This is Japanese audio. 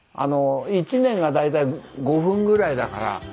１年が大体５分ぐらいだから。